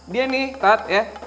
dia nih tat ya